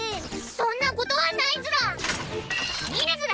そんなことはないズラ！